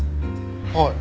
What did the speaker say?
はい。